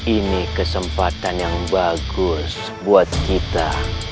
ini kesempatan yang bagus buat kita